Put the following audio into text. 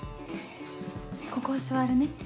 ここ座るね。